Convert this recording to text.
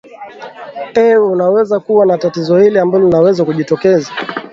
ee unakuwa na tatizo hili ambalo linaweza kujitokeza